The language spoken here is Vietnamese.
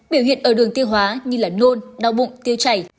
biểu hiện ở đường tiêu hóa như nôn đau bụng tiêu chảy